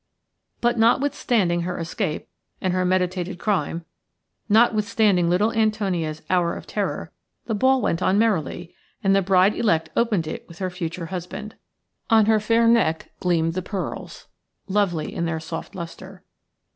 But notwithstanding her escape and her meditated crime, notwithstanding little Antonia's hour of terror, the ball went on merrily, and the bride elect opened it with her future husband. On her fair neck gleamed the pearls, lovely in their soft lustre.